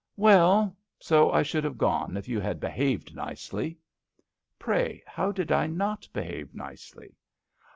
" Well, so I should have gone if you had behaved nicely." " Pray how did I not behave nicely